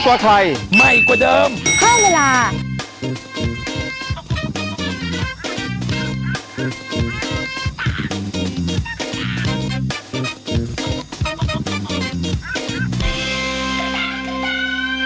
โปรดติดตามตอนต่อไป